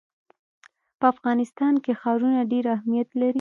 په افغانستان کې ښارونه ډېر اهمیت لري.